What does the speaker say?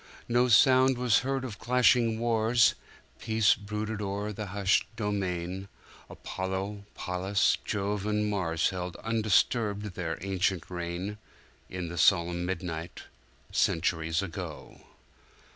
No sound was heard of clashing wars— Peace brooded o'er the hushed domain:Apollo, Pallas, Jove and Mars Held undisturbed their ancient reign, In the solemn midnight, Centuries ago.'